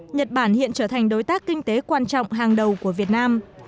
nhật bản hiện trở thành đối tác kinh tế quan trọng hàng đầu của việt nam